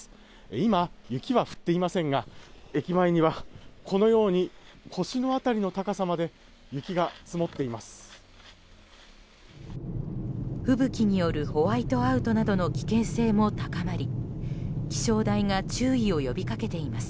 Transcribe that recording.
今、雪は降っていませんが駅前には腰の辺りの高さまで雪が積もっています。